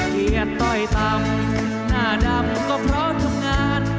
เกียรติต้อยต่ำหน้าดำก็เพราะทำงาน